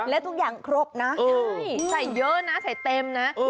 และทุกอย่างครบนะใส่เยอะนะใส่เต็มนะ